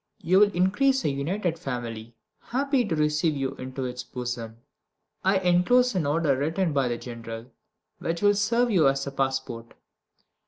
You will increase a united family, happy to receive you into its bosom. I enclose an order written by the General, which will serve you as a passport.